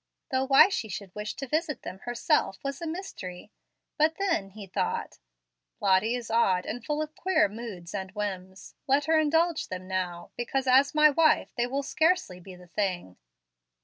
Though why she should wish to visit them herself was a mystery. But then, he thought, "Lottie is odd and full of queer moods and whims. Let her indulge them now, because, as my wife, they will scarcely be the thing."